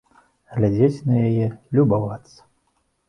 Глядзець на яе, любавацца.